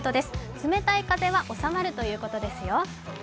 冷たい風は収まるということですよ。